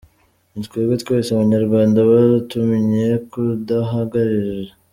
Ni twebwe, twese Abanyarwanda tubatumye kuduhagararira’.